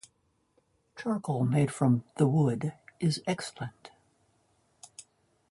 Charcoal made from the wood is excellent.